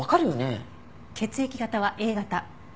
血液型はＡ型。